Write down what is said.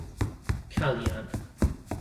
Kalyan.